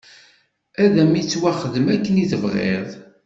Ad m-ittwaxdem akken i tebɣiḍ!